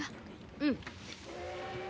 うん。